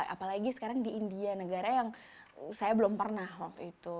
apalagi sekarang di india negara yang saya belum pernah waktu itu